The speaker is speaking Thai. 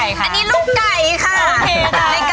อันนี้ลูกไก่ค่ะ